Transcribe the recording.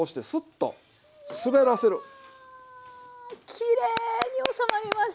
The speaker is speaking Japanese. きれいに収まりました。